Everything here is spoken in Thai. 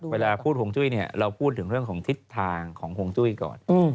เวลาพูดห่วงจุ้ยเนี่ยเราพูดถึงเรื่องของทิศทางของฮวงจุ้ยก่อน